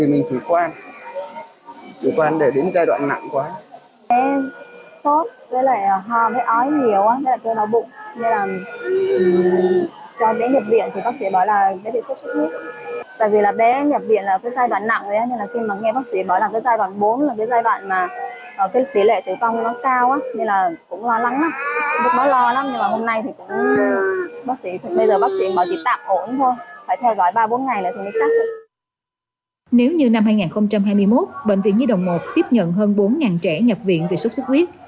nếu như năm hai nghìn hai mươi một bệnh viện như đồng một tiếp nhận hơn bốn trẻ nhập viện về sốt sức huyết